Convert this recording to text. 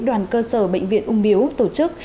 đoàn cơ sở bệnh viện ung biếu tổ chức